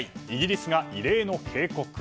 イギリスが異例の警告。